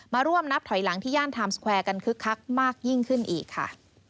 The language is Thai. มาร่วมนับถอยหลังที่ย่านไทม์สแควร์กันคึกคักมากยิ่งขึ้นอีกค่ะ